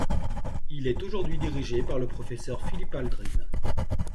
Il est aujourd'hui dirigé par le professeur Philippe Aldrin.